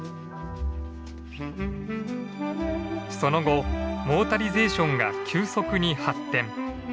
その後モータリゼーションが急速に発展。